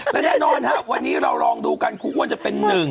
และแน่นอนครับวันนี้เราลองดูกันครูอ้วนจะเป็นหนึ่ง